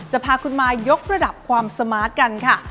จะพาคุณมายกระดับความสมาร์ทกันค่ะ